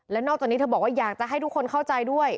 นอกจากนี้เธอบอกว่าอยากจะให้ทุกคนเข้าใจด้วย